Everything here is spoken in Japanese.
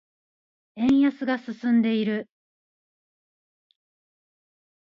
円安が進んでいる。